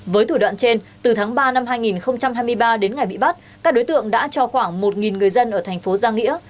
với thủ đoạn trên từ tháng ba năm hai nghìn hai mươi ba đến ngày bị bắt các đối tượng đã cho khoảng một người dân ở thành phố giang nghĩa